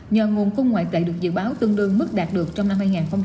nhờ nguồn cung ngoại tệ được dự báo tương đương mức đạt được trong năm hai nghìn hai mươi